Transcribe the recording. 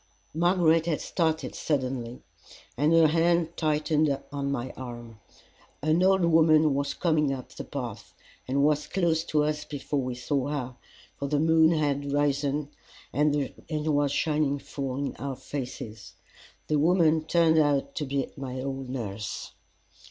Margaret had started suddenly, and her hand tightened on my arm. An old woman was coming up the path, and was close to us before we saw her, for the moon had risen, and was shining full in our faces. The woman turned out to be my old nurse.